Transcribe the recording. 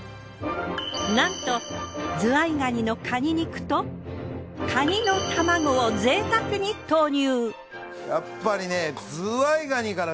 なんとズワイガニの蟹肉とカニの卵を贅沢に投入。